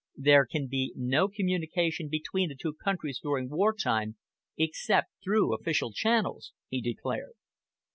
"There can be no communication between the two countries during wartime, except through official channels," he declared.